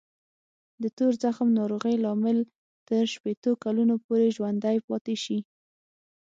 د تور زخم ناروغۍ لامل تر شپېتو کلونو پورې ژوندی پاتې شي.